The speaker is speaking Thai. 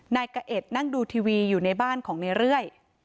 นายกะเอ็ดนั่งดูทีวีอยู่ในบ้านของในเรื่อย